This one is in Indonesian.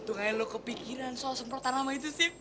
untung aja lo kepikiran soal semprotan nama itu sih